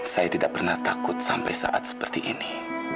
saya tidak pernah takut sampai saat seperti ini